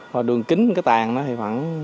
và đường kính cái tàn nó thì khoảng